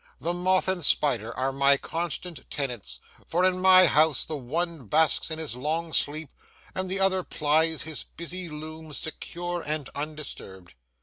The moth and spider are my constant tenants; for in my house the one basks in his long sleep, and the other plies his busy loom secure and undisturbed.